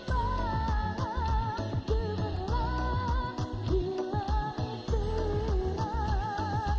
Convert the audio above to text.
saat mahal mahal ikut menari dan bergoyang